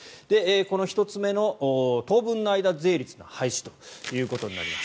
この１つ目の当分の間税率の廃止ということになります